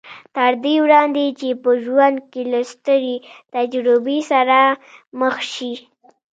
تر دې وړاندې چې په ژوند کې له سترې تجربې سره مخ شي